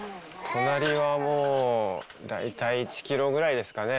隣はもう、大体１キロぐらいですかね。